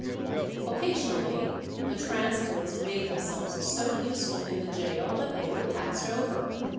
Occasionally the transports made themselves so useful in the gaol that they were passed over.